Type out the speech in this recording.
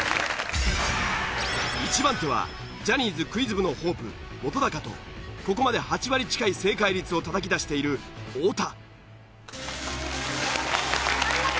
１番手はジャニーズクイズ部のホープ本とここまで８割近い正解率をたたき出している太田。